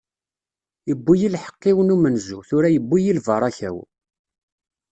iwwi-yi lḥeqq-iw n umenzu, tura yewwi-yi lbaṛaka-w.